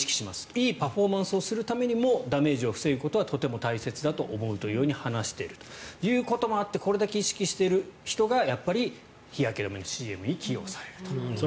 いいパフォーマンスをするためにもダメージを防ぐことはとても大切だと思うというように話しているということもあってこれだけ意識している人がやっぱり、日焼け止めのＣＭに起用されると。